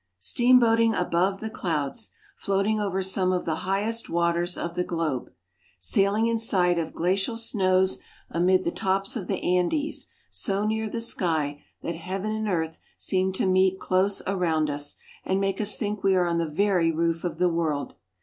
STEAMBOATING. above the clouds! Floating over some of the highest waters of the globe ! SaiHng in sight of glacial snows amid the tops of the Andes, so near the sky that heaven and earth seem to meet close around us, and make us think we are on the very roof of the world